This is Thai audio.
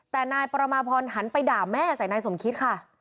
แต่นายประมาพรหันไปด่าแม่ใส่นายสมคิดค่ะ